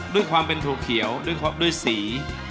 ด้วยความเป็นถั่วเขียวด้วยสี